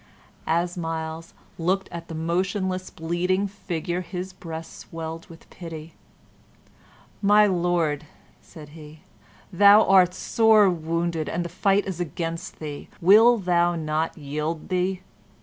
As Myles looked at the motionless, bleeding figure, his breast swelled with pity. "My Lord," said he, "thou art sore wounded and the fight is against thee; wilt thou not yield thee?"